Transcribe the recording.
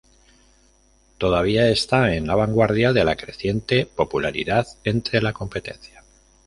Todavía está en la vanguardia de la creciente popularidad entre la competencia.